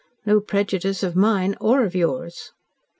"No prejudice of mine or of yours."